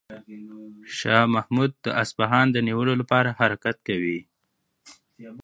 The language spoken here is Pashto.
شاه محمود د اصفهان د نیولو لپاره حرکت کوي.